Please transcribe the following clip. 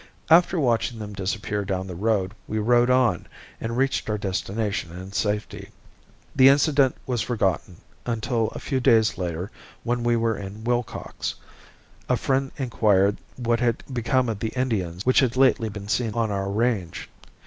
After watching them disappear down the road we rode on and reached our destination in safety. The incident was forgotten until a few days later when we were in Willcox a friend inquired what had become of the Indians which had lately been seen on our range.